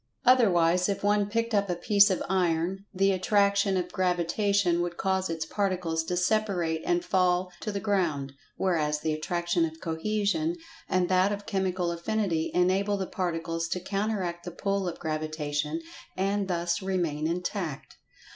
Otherwise, if one picked up a piece of iron, the At[Pg 153]traction of Gravitation would cause its particles to separate and fall to the ground, whereas, the Attraction of Cohesion and that of Chemical Affinity enable the Particles to counteract the pull of Gravitation, and thus remain intact.